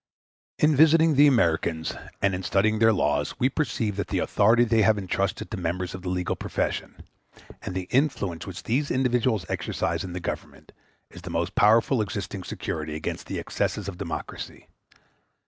In visiting the Americans and in studying their laws we perceive that the authority they have entrusted to members of the legal profession, and the influence which these individuals exercise in the Government, is the most powerful existing security against the excesses of democracy.